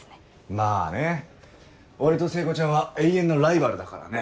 まぁね俺と聖子ちゃんは永遠のライバルだからね。